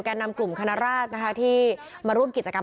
แก่นำกลุ่มคณราชที่มาร่วมกิจกรรม